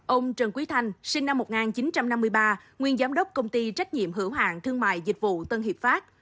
ông trần quý thanh sinh năm một nghìn chín trăm năm mươi ba nguyên giám đốc công ty trách nhiệm hữu hạng thương mại dịch vụ tân hiệp pháp